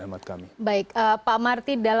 baik pak marty